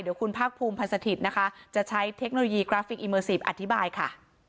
เดี๋ยวคุณภาคภูมิพันธ์สถิตย์นะคะจะใช้เทคโนโลยีกราฟิกอีเมอร์ซีฟอธิบายค่ะ